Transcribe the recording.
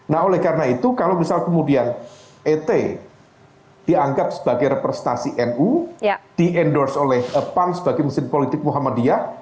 nah oleh karena itu kalau misal kemudian et dianggap sebagai representasi nu di endorse oleh pan sebagai mesin politik muhammadiyah